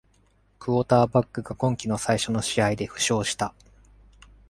クォーターバックが今季の最初の試合で負傷した。